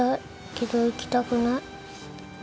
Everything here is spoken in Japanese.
けど行きたくない。